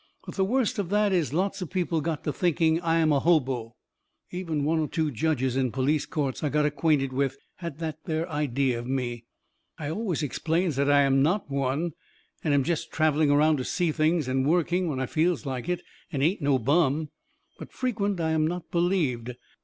But the worst of that is lots of people gets to thinking I am a hobo. Even one or two judges in police courts I got acquainted with had that there idea of me. I always explains that I am not one, and am jest travelling around to see things, and working when I feels like it, and ain't no bum. But frequent I am not believed.